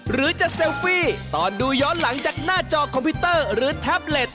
หรือจะเซลฟี่ตอนดูย้อนหลังจากหน้าจอคอมพิวเตอร์หรือแท็บเล็ต